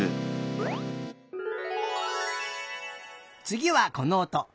つぎはこのおと。